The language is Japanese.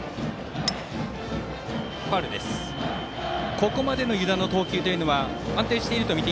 ここまでの湯田の投球は安定していますか？